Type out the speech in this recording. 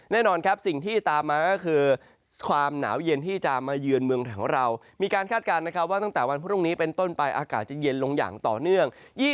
แน่นอนครับสิ่งที่ตามมาก็คือ